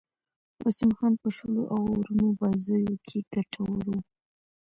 وسیم خان په شلو آورونو بازيو کښي ګټور وو.